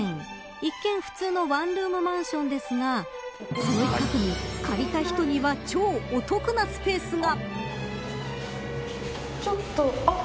一見普通のワンルームマンションですがその一角に借りた人には超お得なスペースが。